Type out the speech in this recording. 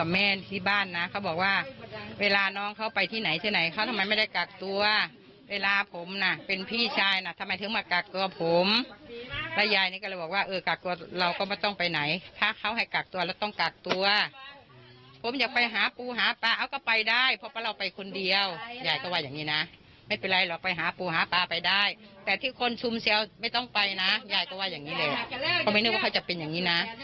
ไม่ต้องไปนะยายก็ว่าอย่างนี้แหละเขาไม่นึกว่าเขาจะเป็นอย่างนี้นะ